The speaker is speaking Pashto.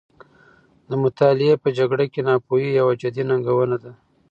د مطالعې په جګړه کې، ناپوهي یوه جدي ننګونه ده.